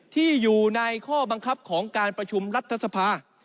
ที่อยู่ในข้อบังคับของการประชุมรัฐสภา